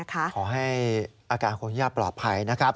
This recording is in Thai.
ขอให้อาการของคุณย่าปลอดภัยนะครับ